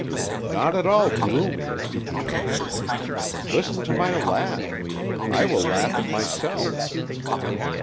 "Not at all gloomy," he answered. "Listen to my laugh. I will laugh at myself."